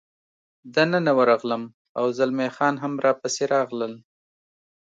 دننه ورغلم، او زلمی خان هم را پسې راغلل.